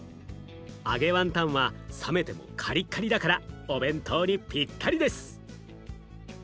揚げワンタンは冷めてもカリカリだからお弁当にぴったりです！